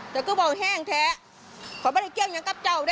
แต่ก็บอกแห้งแท้ขอบรรยาเกลี้ยงอย่างกับเจ้าด้วย